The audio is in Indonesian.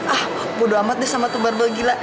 ah bodo amat deh sama tuh barbel gila